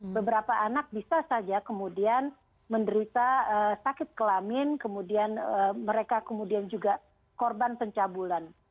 beberapa anak bisa saja kemudian menderita sakit kelamin kemudian mereka kemudian juga korban pencabulan